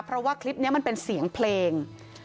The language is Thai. เพราะว่าคลิปนี้มันเป็นเสียงเพลง